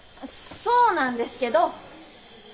そうなんですけど。